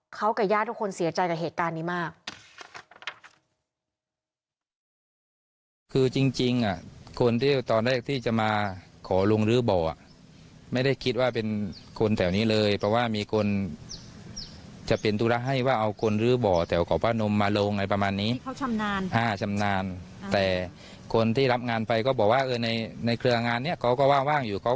เขากับญาติทุกคนเสียใจกับเหตุการณ์นี้มาก